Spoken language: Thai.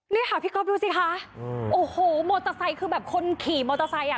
นี่ค่ะพี่ก๊อฟดูสิคะโอ้โหมอเตอร์ไซค์คือแบบคนขี่มอเตอร์ไซค์อ่ะ